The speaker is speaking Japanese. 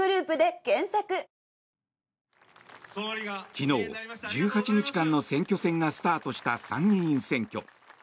昨日、１８日間の選挙戦がスタートした参議院選挙。